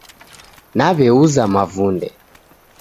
Naweuza mavunde.